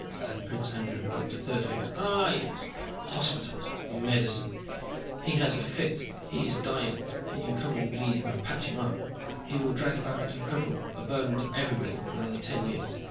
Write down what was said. and Prince Andrew crooked a third finger. "Ah, yes, hospitals, medicine. He has a fit, he is dying, and you come and bleed him and patch him up. He will drag about as a cripple, a burden to everybody, for another ten years.